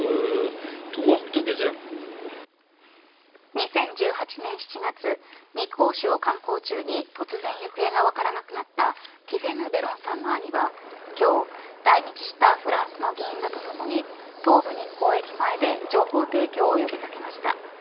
２０１８年７月日光市を観光中に突然、行方が分からなくなったティフェヌ・ベロンさんの兄は今日、来日したフランスの議員らと共に東武日光駅前で情報提供を呼び掛けました。